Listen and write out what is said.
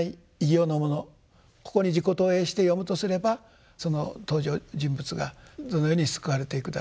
ここに自己投影して読むとすればその登場人物がどのように救われていくだろうかと。